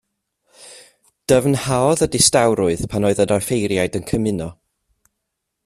Dyfnhaodd y distawrwydd pan oedd yr offeiriad yn cymuno.